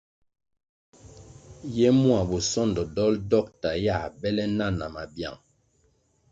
Ye mua bosondo dolʼ dokta yā bele na na mabyang.